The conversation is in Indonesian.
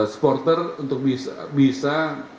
supporter untuk bisa